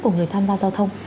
của người tham gia giao thông